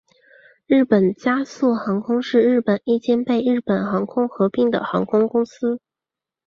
日本佳速航空是日本一间被日本航空合并的航空公司。